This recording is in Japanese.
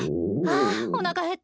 あおなかへった。